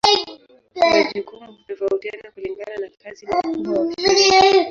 Majukumu hutofautiana kulingana na kazi na ukubwa wa shirika.